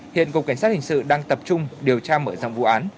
hiện cục cảnh sát hình sự đang tập trung điều tra mở rộng vụ án